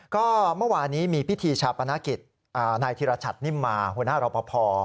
ก็เมื่อวานนี้มีพิธีชาปนกิจนายธิรชัตนิมมาหัวหน้ารอปภ